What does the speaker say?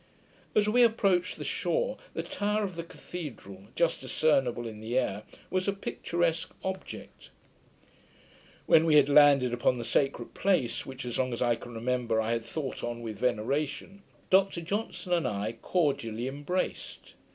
As we approached the shore, the tower of the cathedral, just discernable in the air, was a picturesque object. When we had landed upon the sacred place, which, as long as I can remember, I had thought on with veneration, Dr Johnson and I cordially embraced.